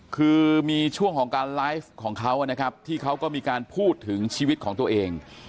คือมีช่วงของการไลฟ์ของเขานะครับที่เขาก็มีการพูดถึงชีวิตของตัวเอง